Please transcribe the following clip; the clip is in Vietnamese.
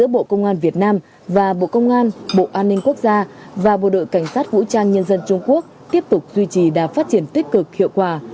quan hệ giữa bộ công an việt nam và bộ công an bộ an ninh quốc gia và bộ đội cảnh sát vũ trang nhân dân trung quốc tiếp tục duy trì đạt phát triển tích cực hiệu quả